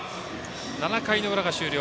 ７回の裏が終了。